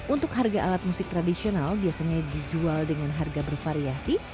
untuk harga alat musik tradisional biasanya dijual dengan harga bervariasi